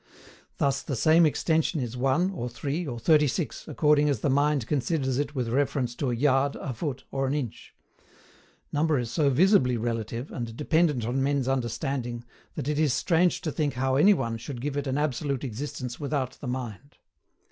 Thus, the same extension is one, or three, or thirty six, according as the mind considers it with reference to a yard, a foot, or an inch. Number is so visibly relative, and dependent on men's understanding, that it is strange to think how any one should give it an absolute existence without the mind.